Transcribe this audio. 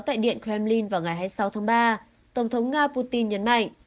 tại điện kremlin vào ngày hai mươi sáu tháng ba tổng thống nga putin nhấn mạnh